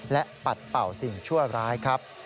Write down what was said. และปัดเป่าสิ่งชั่วร้ายครับ